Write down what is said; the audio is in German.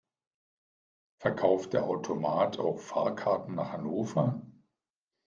Verkauft der Automat auch Fahrkarten nach Hannover?